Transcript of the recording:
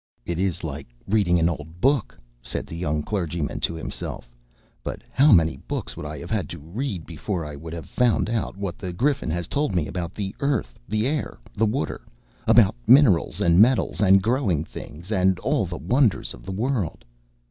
"It is like reading an old book," said the young clergyman to himself; "but how many books I would have had to read before I would have found out what the Griffin has told me about the earth, the air, the water, about minerals, and metals, and growing things, and all the wonders of the world!"